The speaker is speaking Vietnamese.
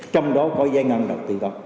trong đó có giai ngăn đầu tiên